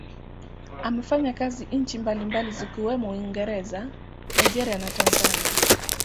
Amefanya kazi nchi mbalimbali zikiwemo Uingereza, Nigeria na Tanzania.